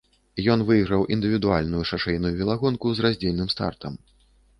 Ён выйграў індывідуальную шашэйную велагонку з раздзельным стартам.